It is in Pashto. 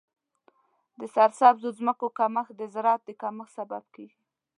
د سرسبزو ځمکو کمښت د زراعت د کمښت سبب کیږي.